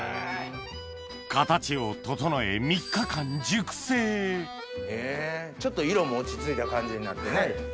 形を整えちょっと色も落ち着いた感じになってね